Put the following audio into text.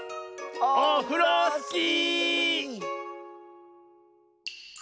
オフロスキー！